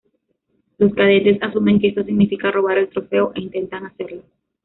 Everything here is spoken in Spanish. Los cadetes asumen que esto significa robar el trofeo, e intentan hacerlo.